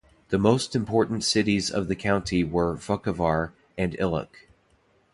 The most important cities of the county were Vukovar and Ilok.